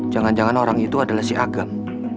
jangan jangan orang itu adalah si agam